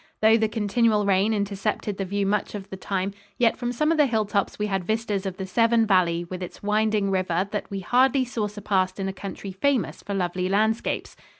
Though the continual rain intercepted the view much of the time, yet from some of the hilltops we had vistas of the Severn Valley with its winding river that we hardly saw surpassed in a country famous for lovely landscapes.